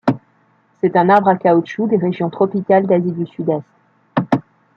C'est un arbre à caoutchouc des régions tropicales d'Asie du Sud-Est.